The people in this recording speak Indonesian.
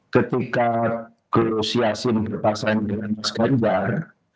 ketika gus yassin berpasangan dengan mas ganjar